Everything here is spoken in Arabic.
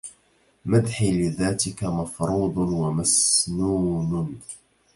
مدحي لذاتك مفروض ومسنون